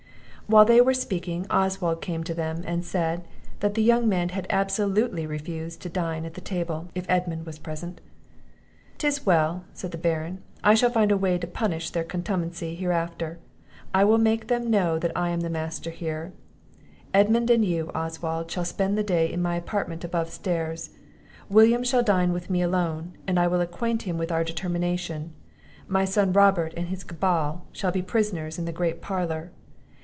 While they were speaking, Oswald came to them, and said, that the young men had absolutely refused to dine at the table, if Edmund was present. "'Tis well," said the Baron; "I shall find a way to punish their contumacy hereafter; I will make them know that I am the master here. Edmund and you, Oswald, shall spend the day in my apartment above stairs. William shall dine with me alone; and I will acquaint him with our determination; my son Robert, and his cabal, shall be prisoners in the great parlour.